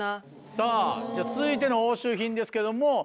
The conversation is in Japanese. さぁじゃあ続いての押収品ですけども。